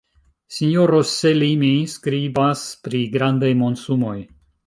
Sinjoro Selimi skribas pri grandaj monsumoj.